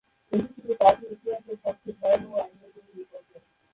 এটি ছিল জাতির ইতিহাসের সবচেয়ে ভয়াবহ আগ্নেয়গিরি বিপর্যয়।